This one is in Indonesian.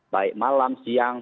baik malam siang